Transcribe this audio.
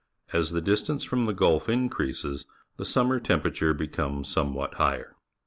As the distance from the Gulf increases, the sunmier temperature becomes somewhat higher.